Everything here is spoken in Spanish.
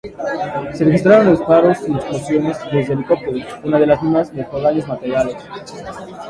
Se registraron explosiones y disparos desde helicópteros, una de las mismas dejó daños materiales.